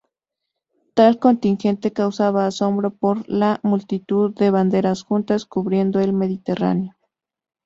Tal contingente causaba asombro por la multitud de banderas juntas cubriendo el Mediterráneo.